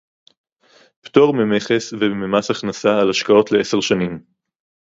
פטור ממכס וממס הכנסה על השקעות לעשר שנים